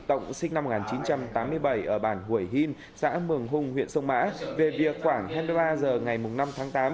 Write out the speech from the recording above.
tổng sinh năm một nghìn chín trăm tám mươi bảy ở bản hủy hìn xã mường hùng huyện sông mã về việc khoảng hai mươi ba h ngày năm tháng tám